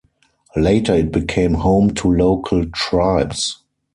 Later it became home to local tribes.